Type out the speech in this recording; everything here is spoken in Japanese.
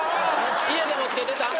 家でもつけてたん？